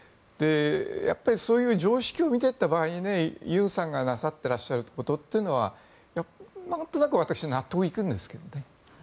そういう常識を見ていった場合尹さんがしていらっしゃることはなんとなく私、納得がいくんですけどね。